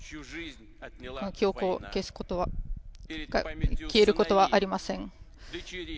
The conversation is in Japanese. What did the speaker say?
この記憶が消えることはありません。